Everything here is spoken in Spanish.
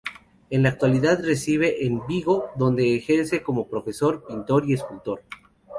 En la actualidad reside en Vigo, dónde ejerce como profesor, pintor y escultor.